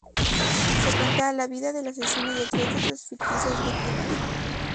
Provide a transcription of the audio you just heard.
Se cuenta la vida del asesino y de tres de sus ficticias víctimas.